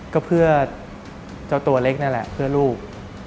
ก็เพื่อเจ้าตัวเล็กนั่นแหละเพื่อลูก